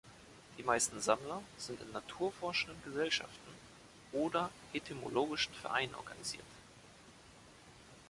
Die meisten Sammler sind in Naturforschenden Gesellschaften oder entomologischen Vereinen organisiert.